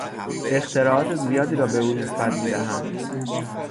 اختراعات زیادی را به او نسبت میدهند.